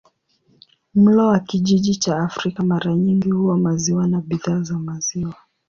Mlo wa kijiji cha Afrika mara nyingi huwa maziwa na bidhaa za maziwa.